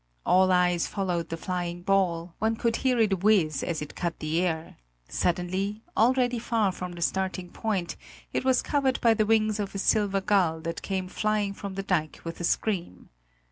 All eyes followed the flying ball, one could hear it whizz as it cut the air; suddenly, already far from the starting point, it was covered by the wings of a silver gull that came flying from the dike with a scream.